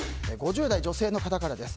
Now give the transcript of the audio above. ５０代女性の方からです。